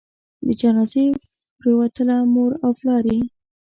د جنازې پروتله؛ مور او پلار یې